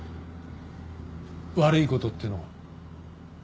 「悪い事」っていうのは？